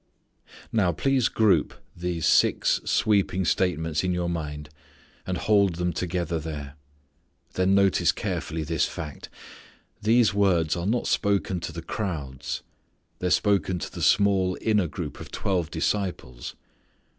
Now please group these six sweeping statements in your mind and hold them together there. Then notice carefully this fact. These words are not spoken to the crowds. They are spoken to the small inner group of twelve disciples.